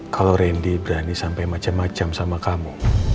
kalau randy berani sampai macam macam sama kamu